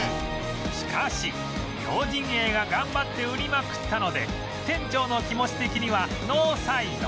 しかし両陣営が頑張って売りまくったので店長の気持ち的にはノーサイド